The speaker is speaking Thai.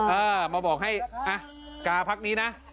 เออมาบอกให้กาภักดีนี้นะ